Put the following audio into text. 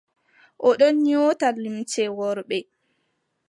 O ɗon nyoota limce worɓe.